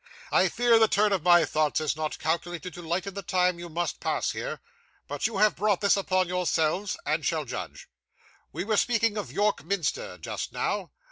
I fear the turn of my thoughts is not calculated to lighten the time you must pass here; but you have brought this upon yourselves, and shall judge. We were speaking of York Minster just now.